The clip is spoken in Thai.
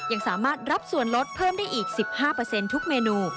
ยังสามารถรับส่วนลดเพิ่มได้อีก๑๕ทุกเมนู